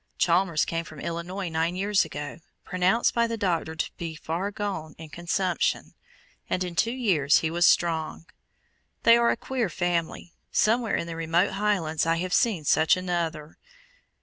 Chalmers came from Illinois nine years ago, pronounced by the doctors to be far gone in consumption, and in two years he was strong. They are a queer family; somewhere in the remote Highlands I have seen such another.